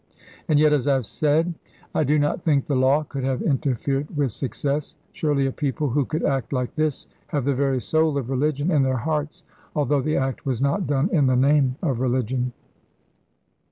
And yet, as I have said, I do not think the law could have interfered with success. Surely a people who could act like this have the very soul of religion in their hearts, although the act was not done in the name of religion.